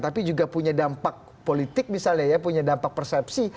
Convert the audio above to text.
tapi juga punya dampak politik misalnya ya punya dampak persepsi